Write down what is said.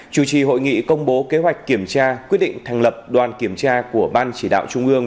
chủ trì hội nghị công bố kế hoạch kiểm tra quyết định thành lập đoàn kiểm tra của ban chỉ đạo trung ương